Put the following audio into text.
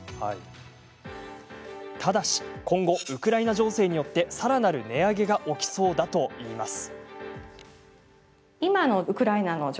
ただし、今後ウクライナ情勢によってさらなる値上げが起きそうだといいます。